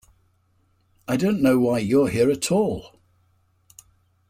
I don't know why you're here at all.